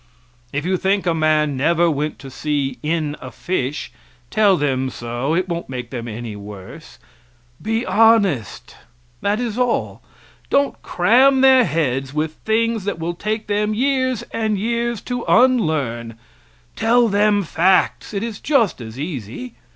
If you think a man never went to sea in a fish, tell them so, it won't make them any worse. Be honest that is all; don't cram their heads with things that will take them years and years to unlearn; tell them facts it is just as easy.